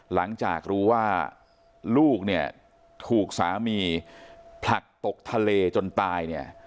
หลังจากรู้ว่าลูกถูกสามีผลักตกทะเลจนตาย